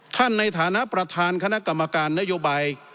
ในฐานะประธานคณะกรรมการนโยบาย